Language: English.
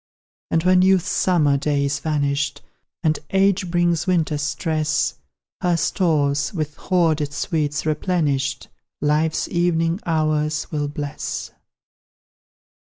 And when Youth's summer day is vanished, And Age brings Winter's stress, Her stores, with hoarded sweets replenished, Life's evening hours will bless.